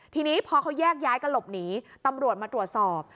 ทีนี้พอเขาแยกย้ายกันหลบหนีตำรวจมาตรวจสอบ